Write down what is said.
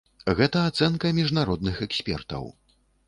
Гэта ацэнка міжнародных экспертаў.